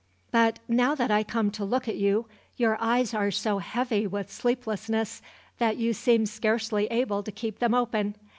But, now that I come to look at you, your eyes are so heavy with sleeplessness that you seem scarcely able to keep them open.